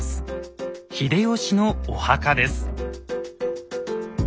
秀吉のお墓です。